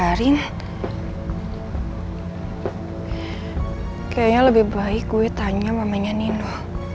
karin kayaknya lebih baik gue tanya mamanya nino